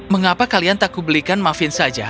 mengapa kalian tak kubelikan mafin saja